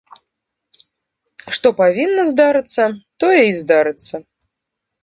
Што павінна здарыцца, тое і здарыцца.